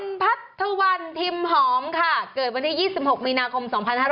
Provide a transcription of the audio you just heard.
คุณพัทธวันทิมหอมค่ะเกิดวันที่๒๖มีนาคม๒๕๕๙